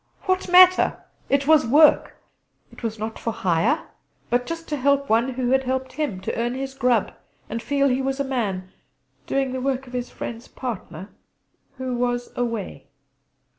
What matter? It was work. It was not for hire, but just to help one who had helped him; to 'earn his grub' and feel he was a man, doing the work of his friend's partner, 'who was away.'